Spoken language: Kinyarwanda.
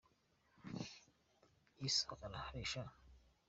Iso arahari sha?